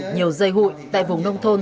nhiều dây hụi tại vùng nông thôn